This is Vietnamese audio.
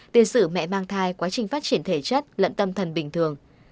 tiền sử mẹ mang thai quá trình phát triển thể chất lẫn tâm thần bình thường